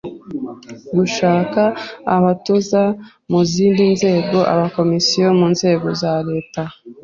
Gushaka abatoza mu zindi nzego aba komisiyo munzego za leta